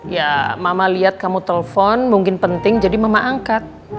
ya mama lihat kamu telpon mungkin penting jadi mama angkat